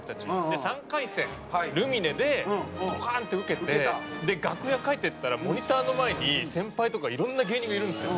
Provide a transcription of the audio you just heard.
で３回戦ルミネでドカーン！ってウケて楽屋帰っていったらモニターの前に先輩とかいろんな芸人がいるんですよ。